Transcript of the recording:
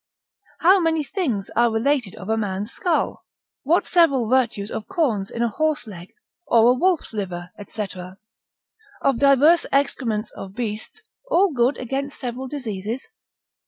How many things are related of a man's skull? What several virtues of corns in a horse leg, of a wolf's liver, &c. Of diverse excrements of beasts, all good against several diseases?